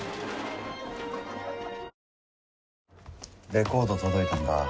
レコード届いたんだ